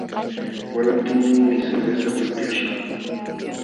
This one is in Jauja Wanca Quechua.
Walantinmi cervezata upyaśhaq